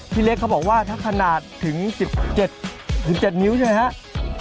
พี่เล็กเขาบอกว่าถ้าขนาดถึง๑๗๗นิ้วใช่ไหมครับ